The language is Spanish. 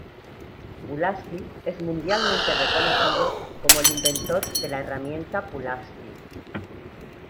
Pulaski es mundialmente reconocido como el inventor de la herramienta Pulaski.